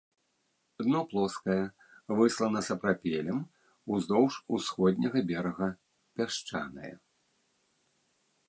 Дно плоскае, выслана сапрапелем, уздоўж усходняга берага пясчанае.